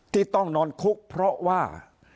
ที่ต้องนอนคุกเพราะว่า